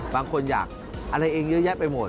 บางคนอยากอะไรเองเยอะแยะไปหมด